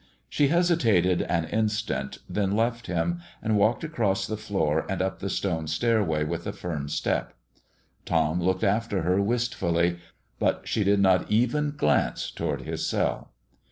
She hesitated an instant, then left him, and walked across the floor and up the stone stairway with a firm step. Tom looked after her wistfully, but she did not even glance toward his cell.